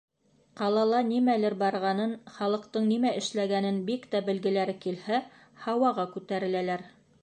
Ҡалала нимәләр барғанын, халыҡтың нимә эшләгәнен бик тә белгеләре килһә, һауаға күтәреләләр.